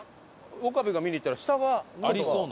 岡部が見に行ったら下はありそうな。